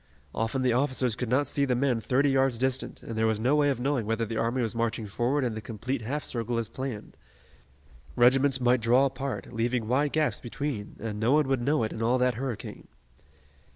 Often the officers could not see the men thirty yards distant, and there was no way of knowing whether the army was marching forward in the complete half circle as planned. Regiments might draw apart, leaving wide gaps between, and no one would know it in all that hurricane.